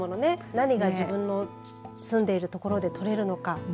何が自分の住んでいるところで取れるのか。